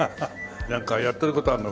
なんかやってる事あるの？